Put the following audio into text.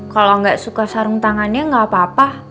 kalo gak suka sarung tangannya gak apa apa